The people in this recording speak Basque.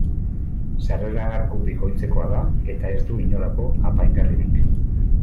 Sarrera arku bikoitzekoa da eta ez du inolako apaingarririk.